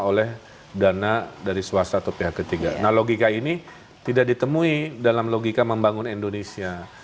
oleh dana dari swasta atau pihak ketiga nah logika ini tidak ditemui dalam logika membangun indonesia